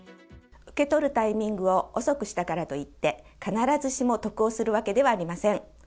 受け取るタイミングを遅くしたからといって、必ずしも得をするわけではありません。